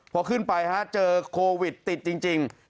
พอขึ้นไปเจอโควิดติดจริง